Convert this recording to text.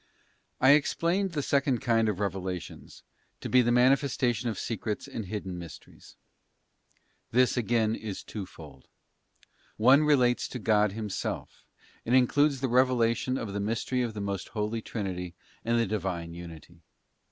I EXPLAINED the second kind of revelations to be the mani festation of secrets and hidden mysteries. This again is twofold. One relates to God Himself, and includes the revelation of the Mystery of the Most Holy Trinity and the Divine Unity.